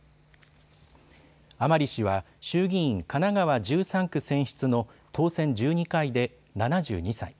甘利氏は衆議院神奈川１３区選出の当選１２回で７２歳。